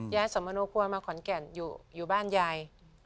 ย้ายสมนุภัณฑ์มาขอนแก่นอยู่บ้านยาย